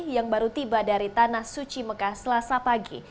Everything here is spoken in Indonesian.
yang baru tiba dari tanah suci mekah selasa pagi